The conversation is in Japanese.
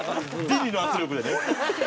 ビニの圧力でね。